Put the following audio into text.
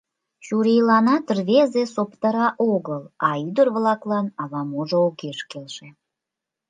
Чурийланат рвезе соптыра огыл, а ӱдыр-влаклан ала-можо огеш келше.